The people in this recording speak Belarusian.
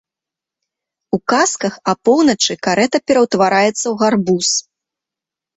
У казках апоўначы карэта пераўтвараецца ў гарбуз.